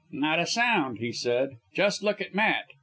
"Not a sound," he said. "Just look at Matt!"